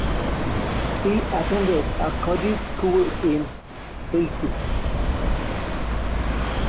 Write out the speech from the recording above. He attended a Kurdish school in Tbilisi.